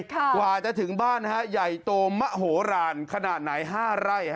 กว่าจะถึงบ้านใหญ่โตมะโหลานขนาดไหน๕ไร่